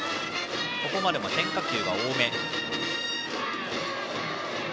ここまでも変化球が多め。